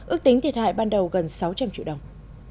ước tính thiệt hại ban đầu gần sáu trăm linh triệu đồng